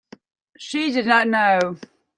She did not know.